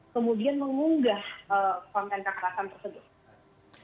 kemudian mengunggah konten kekerasan tersebut